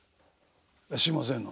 しませんの？